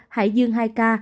hải dương hai ca